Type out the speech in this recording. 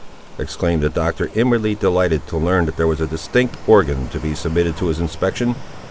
exclaimed the Doctor, inwardly delighted to learn there was a distinct organ to be submitted to his inspection.